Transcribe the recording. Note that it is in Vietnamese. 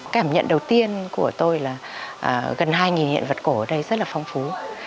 cảm nhận đầu tiên của tôi là gần hai hiện vật cổ ở đây rất là phong phú